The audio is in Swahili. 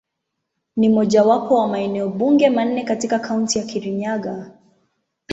Ni mojawapo wa maeneo bunge manne katika Kaunti ya Kirinyaga.